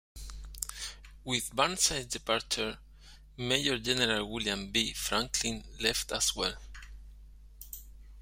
With Burnside's departure, Major General William B. Franklin left as well.